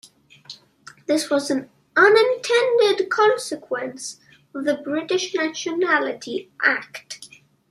This was an unintended consequence of the British Nationality Act.